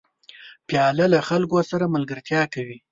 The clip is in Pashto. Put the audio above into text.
پیاله له خلکو سره ملګرتیا کوي.